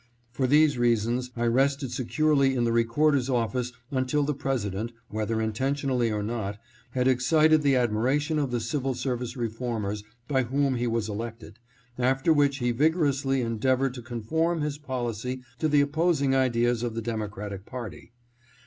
For these reasons I rested securely in the Recorder's office until the President, whether intentionally or not, had excited the admiration of the civil service reformers by whom he was elected, after which he vigorously endeavored to conform his policy to the opposing ideas of the Democratic party.